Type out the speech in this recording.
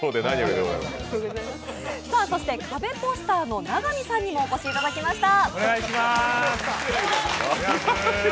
そしてカベポスターの永見さんにもお越しいただきました。